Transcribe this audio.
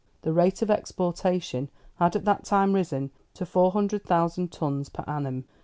The rate of exportation had at that time risen to four hundred thousand tons per annum.